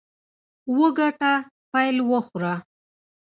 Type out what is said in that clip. وګټه، پیل وخوره.